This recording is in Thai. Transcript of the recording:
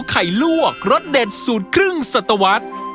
ไข่ลวกรสเด็ดสูตรครึ่งสัตวรรษ